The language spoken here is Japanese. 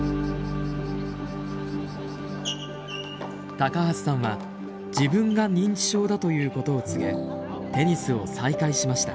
高橋さんは自分が認知症だということを告げテニスを再開しました。